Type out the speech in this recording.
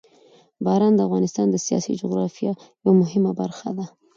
باران د افغانستان د سیاسي جغرافیه یوه برخه ده.